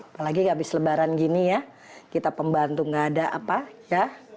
apalagi abis lebaran gini ya kita pembantu gak ada apa ya